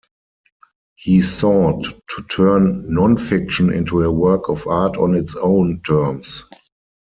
He sought to turn non-fiction into a work of art on its own terms.